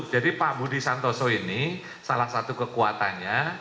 jadi pak budi santoso ini salah satu kekuatannya